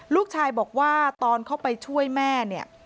ลูกชายบอกว่าตอนเข้าไปช่วยแม่เนี่ย